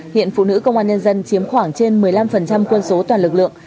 hiện phụ nữ công an nhân dân chiếm khoảng trên một mươi năm quân số toàn lực lượng